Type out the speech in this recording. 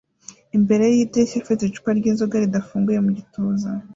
imbere yidirishya afite icupa ryinzoga ridafunguye mu gituza